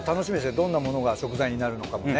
どんなものが食材になるのかもね。